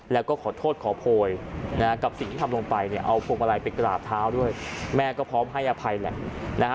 แล้วก็ขอโทษขอโพยกับสิ่งที่ทำลงไปเอาพวกอะไรไปกราบเท้าด้วยแม่ก็พร้อมให้อภัยแหละ